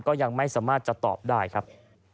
ก็ยังไม่สามารถจะตอบได้ครับ